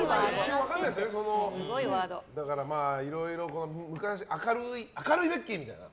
いろいろ明るいベッキーみたいな。